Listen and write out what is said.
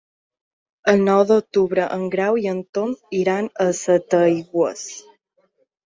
El nou d'octubre en Grau i en Tom iran a Setaigües.